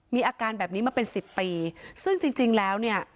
มีอาการแบบนี้มาเป็นสิบปีซึ่งจริงจริงแล้วเนี่ย